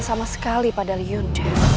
sama sekali padahal yonda